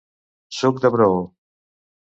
Suc de braó.